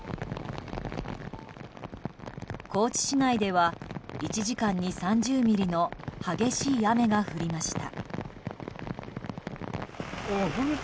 高知市内では１時間に３０ミリの激しい雨が降りました。